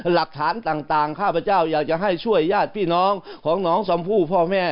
หลักฐานต่างข้าพเจ้าอยากจะให้ช่วยญาติพี่น้องของน้องชมพู่พ่อแม่